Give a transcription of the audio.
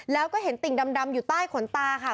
แล้วก็เห็นติ่งดำอยู่ใต้ขนตาค่ะ